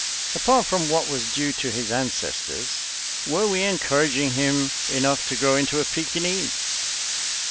Apart from what was due to his ancestors, were we encouraging him enough to grow into a Pekinese?